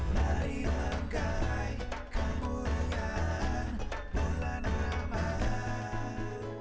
dari langkai kemuliaan bulan ramadhan